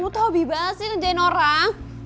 lu tahu bebas sih ngerjain orang